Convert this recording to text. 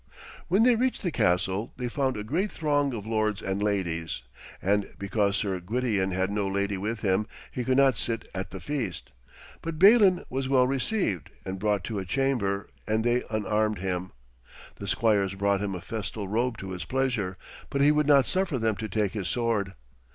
When they reached the castle they found a great throng of lords and ladies, and because Sir Gwydion had no lady with him he could not sit at the feast. But Balin was well received and brought to a chamber, and they unarmed him. The squires brought him a festal robe to his pleasure, but he would not suffer them to take his sword.